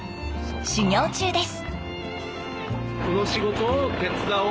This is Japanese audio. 修業中です。